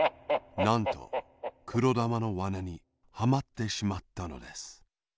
なんとくろだまのわなにはまってしまったのです。